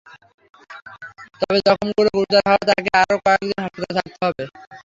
তবে জখমগুলো গুরুতর হওয়ায় তাঁকে আরও কয়েক দিন হাসপাতালে থাকতে হবে।